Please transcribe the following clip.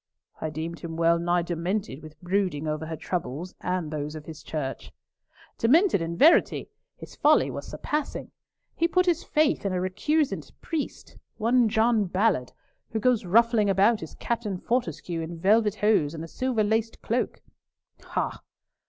"I deemed him well nigh demented with brooding over her troubles and those of his church." "Demented in verity. His folly was surpassing. He put his faith in a recusant priest—one John Ballard—who goes ruffling about as Captain Fortescue in velvet hose and a silver laced cloak." "Ha!"